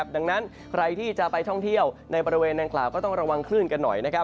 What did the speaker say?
ดังนั้นใครที่จะไปท่องเที่ยวในบริเวณดังกล่าวก็ต้องระวังคลื่นกันหน่อย